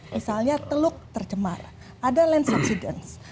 misalnya teluk tercemar ada land subsidence